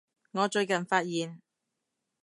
我最近發現